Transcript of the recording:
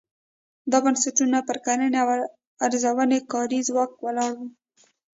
دا بنسټونه پر کرنې او ارزانه کاري ځواک ولاړ وو.